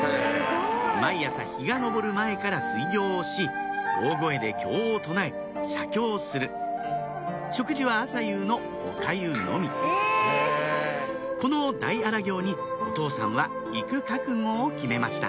毎朝日が昇る前から水行をし大声で経を唱え写経する食事は朝夕のおかゆのみこの大荒行にお父さんは行く覚悟を決めました